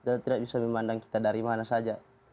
kita tidak bisa memandang kita dari mana saja